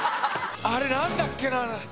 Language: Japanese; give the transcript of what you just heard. あれなんだっけな？